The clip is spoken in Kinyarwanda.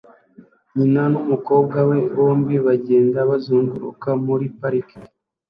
nyina numukobwa we bombi bagenda bazunguruka muri parike